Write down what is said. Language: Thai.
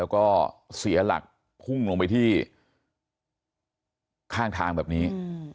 แล้วก็เสียหลักพุ่งลงไปที่ข้างทางแบบนี้